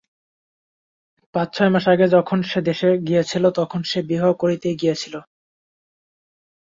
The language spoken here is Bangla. পাঁচ-ছয় মাস আগে যখন সে দেশে গিয়াছিল, তখন সে বিবাহ করিতেই গিয়াছিল।